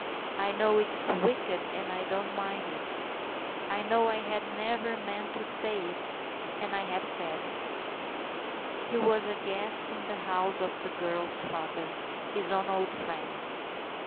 I know it's wicked and I don't mind it. I know I had never meant to say it, and I have said it." He was a guest in the house of the girl's father, his own old friend.